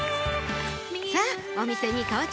さぁお店に到着